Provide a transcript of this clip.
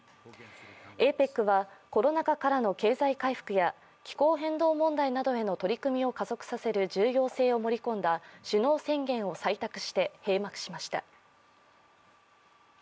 ＡＰＥＣはコロナ禍からの経済回復や気候変動問題などへの取り組みを加速させる重要性を盛り込んだ首脳宣言を採択して閉幕しました。